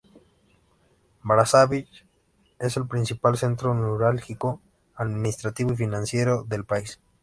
Brazzaville es el principal centro neurálgico, administrativo y financiero del país.